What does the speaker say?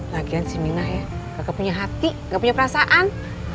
lagian si minah ya nggak punya hati nggak punya perasaan